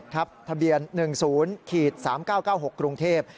ทะเบียน๑๐๓๙๙๖กรุงเทพฯ